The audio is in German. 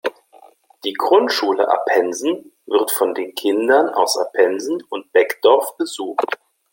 Die Grundschule Apensen wird von den Kindern aus Apensen und Beckdorf besucht.